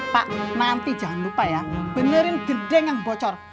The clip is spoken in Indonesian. pak nanti jangan lupa ya benerin gedeng yang bocor